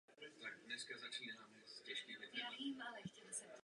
Pavle, přeposlat to dál klidně můžeš, ale chtěl jsem nejdřív otestovat vody u nás.